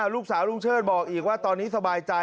ลูกสาวลุงเชิดบอกอีกว่า